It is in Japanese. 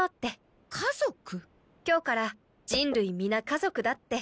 「今日から人類皆家族だ」って。